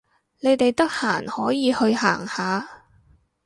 你哋得閒可以去行下